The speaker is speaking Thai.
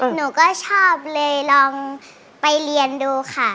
หนูก็ชอบเลยลองไปเรียนดูค่ะ